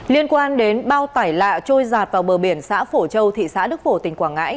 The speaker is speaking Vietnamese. liên quan đến bao tải lạ trôi giạt vào bờ biển xã phổ châu thị xã đức phổ tỉnh quảng ngãi